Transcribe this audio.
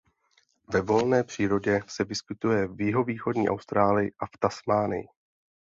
Ve volné přírodě se vyskytuje v jihovýchodní Austrálii a v Tasmánii.